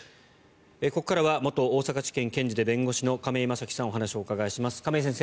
ここからは元大阪地検検事で弁護士の亀井正貴さんにお話を伺いします、亀井先生